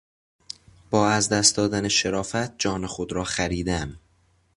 با از دست دادن شرافت جان خود را خریدن